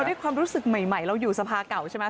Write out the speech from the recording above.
ด้วยความรู้สึกใหม่เราอยู่สภาเก่าใช่ไหม